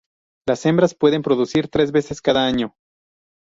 Las hembras pueden reproducir tres veces cada año.